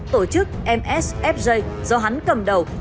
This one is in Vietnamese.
tổ chức msfj do hắn cầm đầu